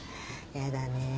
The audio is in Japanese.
やだねぇ。